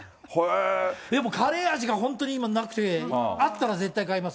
でもカレーあじが本当になくて、あったら絶対買います。